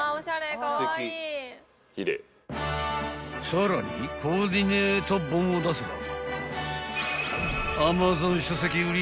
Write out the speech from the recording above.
［さらにコーディネート本を出せば］